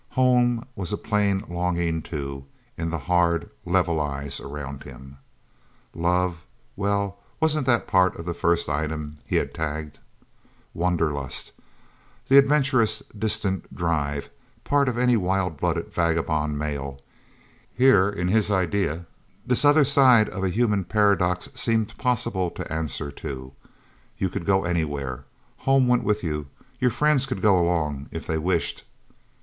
Home was a plain longing, too, in the hard, level eyes around him. Love. Well, wasn't that part of the first item he had tagged? Wanderlust. The adventurous distance drive part of any wild blooded vagabond male. Here in his idea, this other side of a human paradox seemed possible to answer, too. You could go anywhere. Home went with you. Your friends could go along, if they wished.